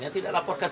yang tidak dilaporkan